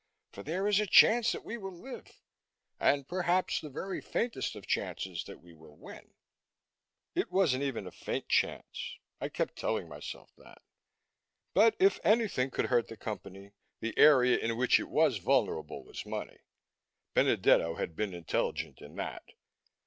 For there is a chance that we will live ... and perhaps the very faintest of chances that we will win!" It wasn't even a faint chance I kept telling myself that. But, if anything could hurt the Company, the area in which it was vulnerable was money. Benedetto had been intelligent in that.